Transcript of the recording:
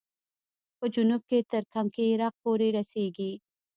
په جنوب کې تر کمکي عراق پورې رسېږي.